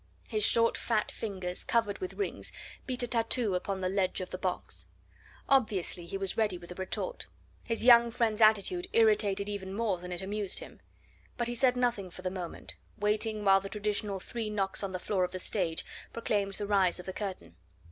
His short fat fingers, covered with rings, beat a tattoo upon the ledge of the box. Obviously, he was ready with a retort. His young friend's attitude irritated even more than it amused him. But he said nothing for the moment, waiting while the traditional three knocks on the floor of the stage proclaimed the rise of the curtain.